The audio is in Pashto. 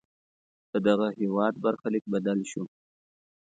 ددغه هېواد برخلیک بدل شو.